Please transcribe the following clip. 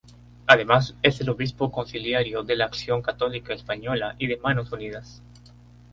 Además es el obispo consiliario de la Acción Católica Española y de Manos Unidas.